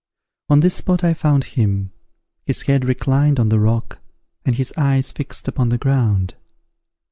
On this spot I found him, his head reclined on the rock, and his eyes fixed upon the ground.